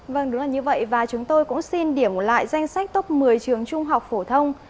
vâng đúng là như vậy và chúng tôi cũng xin điểm lại danh sách top một mươi trường trung học phổ thông